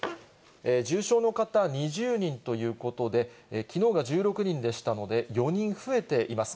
重症の方２０人ということで、きのうが１６人でしたので、４人増えています。